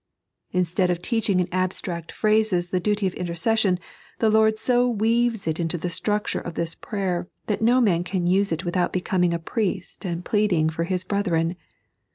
Instead of teaching in abstract phrases the dnty of intercession, the Lord so weaves it into the struc ture of this prayer that no man can use it without becoming a priest and pleading for his brethren.